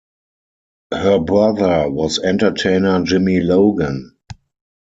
Her brother was entertainer Jimmy Logan.